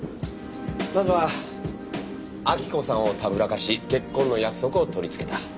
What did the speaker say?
まずは明子さんをたぶらかし結婚の約束を取り付けた。